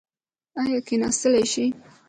ایا کیناستلی شئ؟